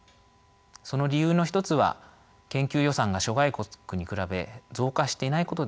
その理由の一つは研究予算が諸外国に比べ増加していないことです。